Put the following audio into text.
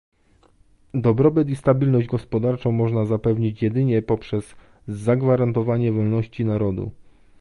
Dobrobyt i stabilność gospodarczą można zapewnić jedynie poprzez zagwarantowanie wolności narodu